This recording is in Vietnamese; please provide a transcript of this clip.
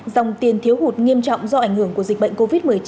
dòng tiền thiếu hụt nghiêm trọng do ảnh hưởng của dịch bệnh covid một mươi chín